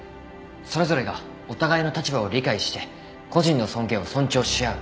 それぞれがお互いの立場を理解して個人の尊厳を尊重し合う。